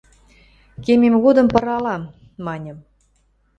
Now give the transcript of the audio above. – Кемем годым пыралам, – маньым.